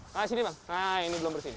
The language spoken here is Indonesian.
nah sini bang nah ini belum bersih nih